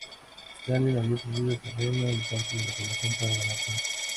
Stalin había perdido terreno y parte de la población para ganar tiempo.